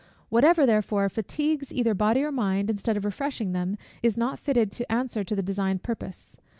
Whatever, therefore, fatigues either body or mind, instead of refreshing them, is not fitted to answer the designed purpose.